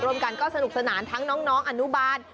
ร่วมกันก็สนุกสนานทั้งน้องอนุบาล